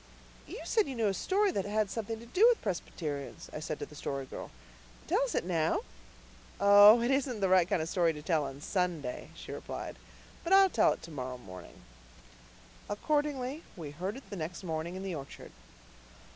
"You said you knew a story that had something to do with Presbyterians," I said to the Story Girl. "Tell us it now." "Oh, no, it isn't the right kind of story to tell on Sunday," she replied. "But I'll tell it to morrow morning." Accordingly, we heard it the next morning in the orchard.